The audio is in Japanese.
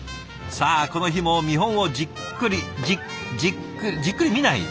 さあこの日も見本をじっくりじっじっくじっくり見ない？